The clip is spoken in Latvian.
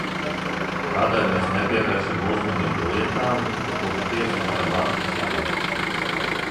Kādēļ mēs nepievēršam uzmanību lietām, ko patiesi varam atrisināt?